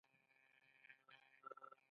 د خاورینو لوښو نښې ډیرې دي